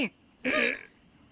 えっ！？